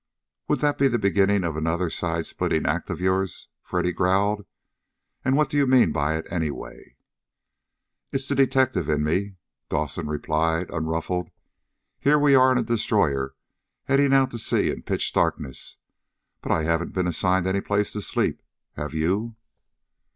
"Would that be the beginning of another side splitting act of yours?" Freddy growled. "And what do you mean by it, anyway?" "It's the detective in me," Dawson replied, unruffled. "Here we are on a destroyer heading out to sea in pitch darkness, but I haven't been assigned any place to sleep, have you?"